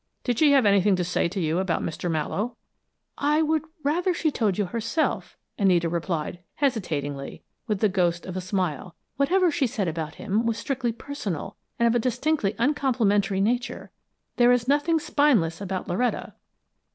Did she have anything to say to you about Mr. Mallowe?" "I would rather she told you herself," Anita replied, hesitatingly, with the ghost of a smile. "Whatever she said about him was strictly personal, and of a distinctly uncomplimentary nature. There is nothing spineless about Loretta!"